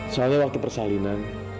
soalnya waktu persalinan